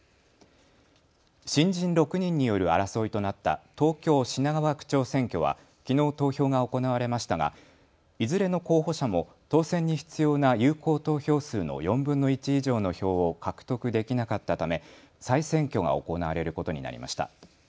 新人６人による争いとなった東京品川区長選挙はきのう投票が行われましたがいずれの候補者も当選に必要な有効投票数の４分の１以上の票を獲得できなかったため再選挙が行われることになりました。